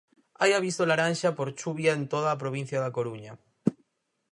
Hai aviso laranxa por chuvia en toda a provincia da Coruña.